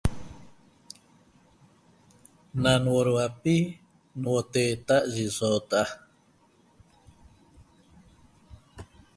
Na nuoduapi nuoteeta't yi soota'a